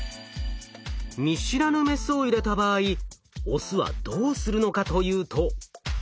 見知らぬメスを入れた場合オスはどうするのかというと。